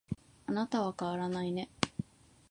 あなたは変わらないね